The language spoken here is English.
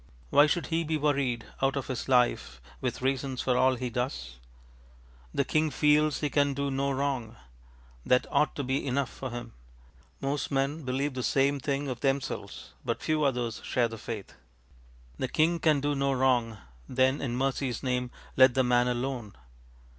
Why should he be worried out of his life with reasons for all he does? The king feels he can do no wrong. That ought to be enough for him. Most men believe the same thing of themselves, but few others share the faith. The king can do no wrong, then in mercyŌĆÖs name let the man alone.